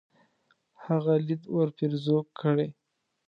هغه ليد ورپېرزو کړي.